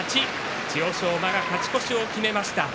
馬が勝ち越しを決めました。